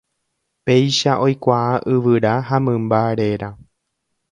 Péicha oikuaa yvyra ha mymba réra.